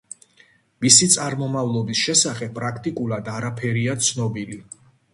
მისი წარმომავლობის შესახებ პრაქტიკულად არაფერია ცნობილი.